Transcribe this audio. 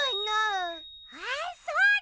あっそうだ！